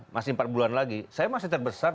masih empat bulan lagi saya masih terbesar